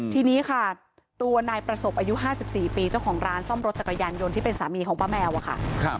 ทีนี้ค่ะตัวนายประสบอายุ๕๔ปีเจ้าของร้านซ่อมรถจักรยานยนต์ที่เป็นสามีของป้าแมวอะค่ะ